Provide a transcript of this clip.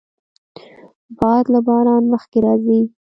باد له باران مخکې راځي